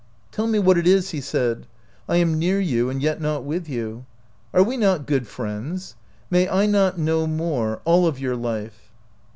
"Tell me what it is," he said. "I am near you and yet not with you. Are we not good friends? May I not know more — all of your life?"